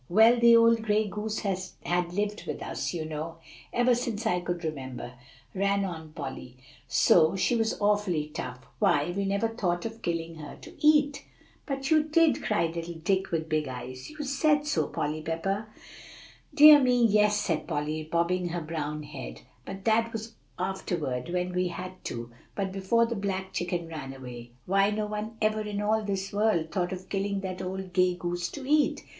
"Well, the old gray goose had lived with us, you know, ever since I could remember," ran on Polly; "so she was awfully tough why, we never thought of killing her to eat" "But you did," cried little Dick with big eyes; "you said so, Polly Pepper." [Illustration: "You said so, Polly Pepper," cried little Dick with big eyes.] "Dear me, yes!" said Polly, bobbing her brown head; "but that was afterward, when we had to. But before the black chicken ran away, why, no one ever in all this world thought of killing that old gray goose to eat.